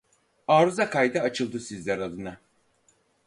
Arıza kaydı açıldı sizler adına